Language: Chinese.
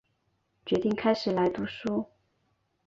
决定开始来读书